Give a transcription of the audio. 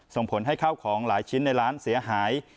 ส่งผลให้ข้าวของหลายชิ้นในร้านเสียหาย